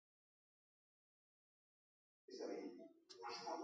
Per què van anar allà?